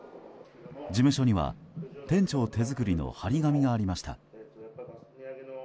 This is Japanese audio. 事務所には、店長手作りの貼り紙がありました。